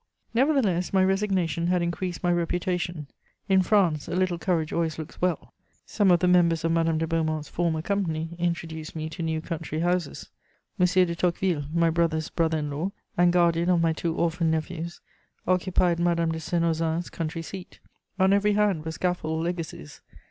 Nevertheless my resignation had increased my reputation; in France a little courage always looks well. Some of the members of Madame de Beaumont's former company introduced me to new country houses. [Sidenote: The Tocqueville family.] M. de Tocqueville, my brother's brother in law, and guardian of my two orphaned nephews, occupied Madame de Senozan's country seat. On every hand were scaffold legacies.